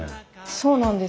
そうなんです。